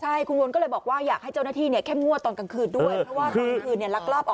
ใช่คุณวนก็เลยบอกว่าอยากให้เจ้าหน้าที่เนี่ยแค่มั่วตอนกลางคืนด้วย